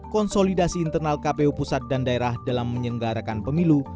konsolidasi internal kpu pusat dan daerah dalam menyelenggarakan pemilu